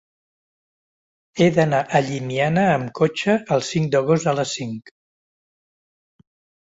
He d'anar a Llimiana amb cotxe el cinc d'agost a les cinc.